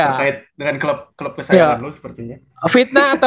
ini terkait dengan klub kesayangan lu sepertinya